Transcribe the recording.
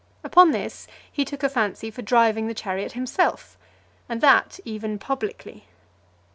Upon this, he took a fancy for driving the chariot himself, and that even publicly.